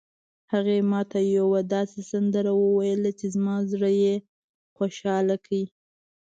هغې ما ته یوه داسې سندره وویله چې زما زړه یې خوشحال کړ